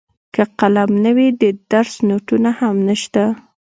که قلم نه وي د درس نوټونه هم نشته.